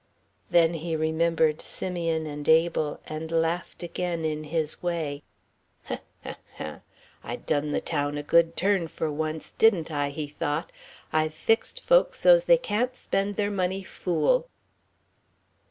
Then he remembered Simeon and Abel, and laughed again in his way. "I done the town a good turn for once, didn't I?" he thought; "I've fixed folks so's they can't spend their money fool!"